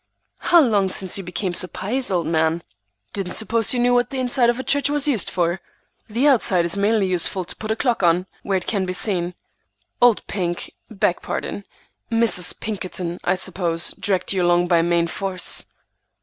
"How long since you became so pious, old man? Didn't suppose you knew what the inside of a church was used for. The outside is mainly useful to put a clock on, where it can be seen. Old Pink,—beg pardon! Mrs. Pinkerton,—I suppose, dragged you along by main force."